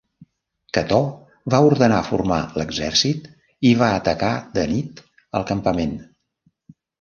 Cató va ordenar formar l'exèrcit i va atacar de nit el campament.